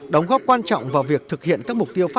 đồng góp quan trọng vào việc thực hiện các mục tiêu pháp luật